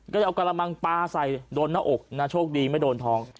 ก็เลยเอากระมังปลาใส่โดนหน้าอกนะโชคดีไม่โดนท้อง